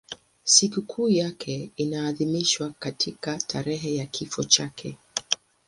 Sikukuu yake inaadhimishwa katika tarehe ya kifo chake.